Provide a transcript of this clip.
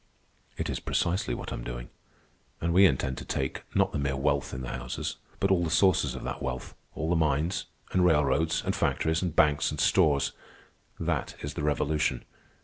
"It is precisely what I am doing. And we intend to take, not the mere wealth in the houses, but all the sources of that wealth, all the mines, and railroads, and factories, and banks, and stores. That is the revolution.